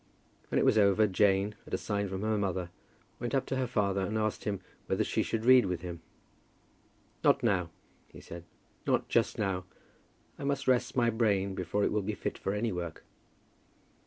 When it was over, Jane, at a sign from her mother, went up to her father and asked him whether she should read with him. "Not now," he said, "not just now. I must rest my brain before it will be fit for any work."